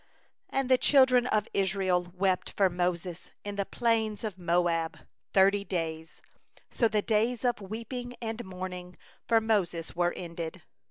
8And the children of Israel wept for Moses in the plains of Moab thirty days; so the days of weeping in the mourning for Moses were ended.